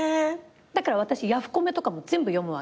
だから私ヤフコメとかも全部読むわけ。